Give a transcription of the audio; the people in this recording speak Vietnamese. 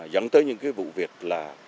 dẫn tới những cái vụ việc là